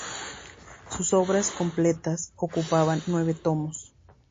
Sus obras completas ocupan nueve tomos.